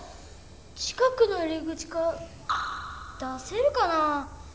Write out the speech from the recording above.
近くの入り口から出せるかなぁ？